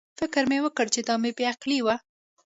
فکر مې وکړ چې دا مې بې عقلي وه.